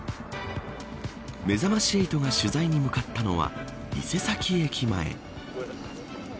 めざまし８が取材に向かったのは伊勢崎駅前。